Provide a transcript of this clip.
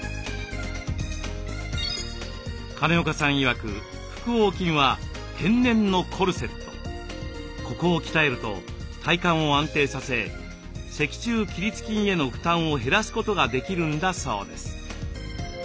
金岡さんいわくここを鍛えると体幹を安定させ脊柱起立筋への負担を減らすことができるんだそうです。